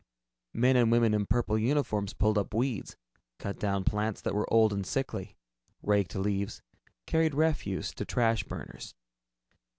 Men and women in purple uniforms pulled up weeds, cut down plants that were old and sickly, raked leaves, carried refuse to trash burners.